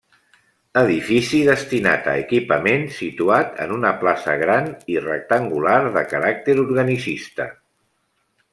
Edifici destinat a equipament, situat en una plaça gran i rectangular de caràcter organicista.